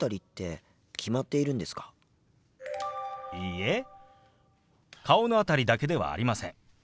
いいえ顔の辺りだけではありません。